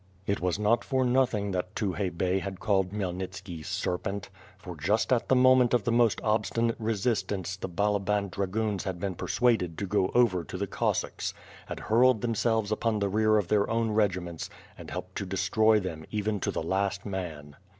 It was not for nothing that Tukhay Bey had called Khmyelnitski "serpent," for ju^^t at the moment of the most obstinate resistance tlie Balaban dragoons had been per suaded to go over to the Cosvsacks; had hurled themselves upon the rear of their own regiments and helped to destroy them even to the last man.